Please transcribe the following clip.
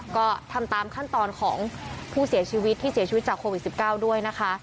ก็ทำตามขั้นตอนของผู้เสียชีวิตที่เสียชีวิตจากโควิด๑๙ด้วยนะคะ